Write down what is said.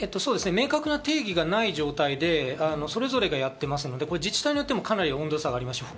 明確な定義がない状態でそれぞれがやっていますので、自治体によっても温度差があります。